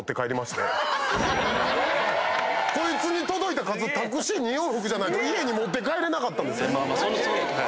こいつに届いた数タクシー２往復じゃないと家に持って帰れなかったんですよ。